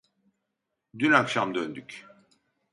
Dün akşam döndük.